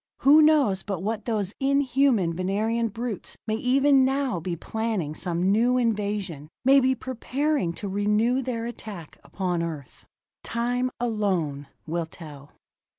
Who knows but what those inhuman Venerian brutes may even now be planning some new invasion, may be preparing to renew their attack upon Earth? Time alone will tell.